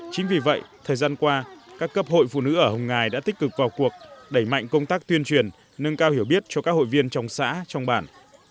chính vì vậy thời gian qua các cấp hội phụ nữ ở hồng ngài đã tích cực vào cuộc đẩy mạnh công tác tuyên truyền nâng cao hiểu biết cho các hội viên trong xã trong bản